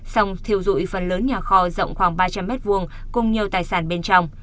sông thiêu dụi phần lớn nhà kho rộng khoảng ba trăm linh m hai cùng nhiều tài sản bên trong